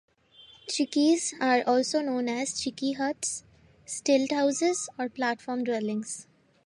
Chickees are also known as chickee huts, stilt houses, or platform dwellings.